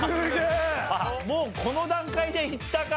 もうこの段階でいったか。